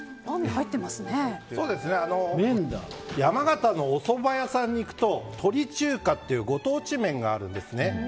山形のおそば屋さんに行くと鳥中華というご当地麺があるんですね。